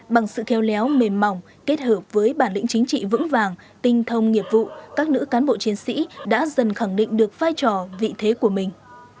bằng sự kheo léo mềm mỏng kết hợp với bản lĩnh chính trị vững vàng tinh thông nghiệp vụ các nữ cán bộ chiến sĩ đã dần khẳng định được vai trò vị thế của mình